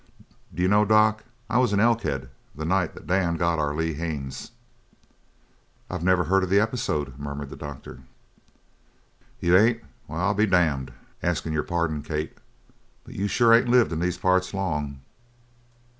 D'you know, doc, I was in Elkhead the night that Dan got our Lee Haines?" "I've never heard of the episode," murmured the doctor. "You ain't? Well, I be damned! askin' your pardon, Kate But you sure ain't lived in these parts long!